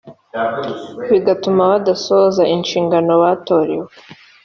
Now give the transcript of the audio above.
bigatuma badasohoza inshingano batorewe